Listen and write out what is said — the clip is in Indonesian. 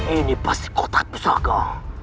ini pasti kotak pesaka